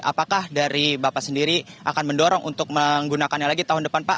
apakah dari bapak sendiri akan mendorong untuk menggunakannya lagi tahun depan pak